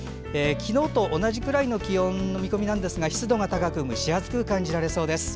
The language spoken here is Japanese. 昨日と同じくらいの気温の見込みなんですが湿度が高く蒸し暑く感じられそうです。